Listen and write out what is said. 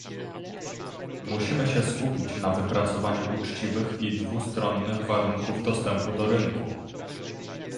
Musimy się skupić na wypracowaniu uczciwych i dwustronnych warunków dostępu do rynku